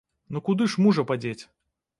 Ну куды ж мужа падзець?